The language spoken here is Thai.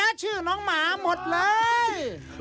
ชื่อน้องหมาหมดเลย